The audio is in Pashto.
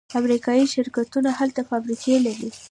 امریکایی شرکتونه هلته فابریکې لري.